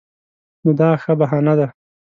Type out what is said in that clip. نو دا ښه بهانه ده.